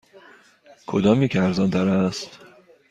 کدامیک ارزان تر است؟